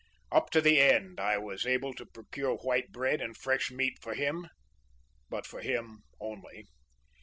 Up to the end I was able to procure white bread and fresh meat for him, but for him only.